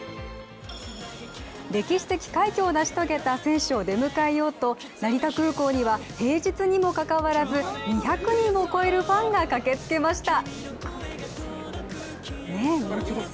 歴史的快挙を成し遂げた選手を出迎えようと成田空港には平日にもかかわらず２００人を超えるファンが駆けつけました。